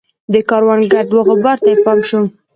د کاروان ګرد وغبار ته یې پام شو.